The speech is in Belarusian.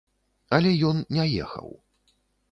Але ён не ехаў.